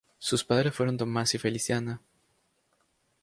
Sus padres fueron Tomás y Feliciana.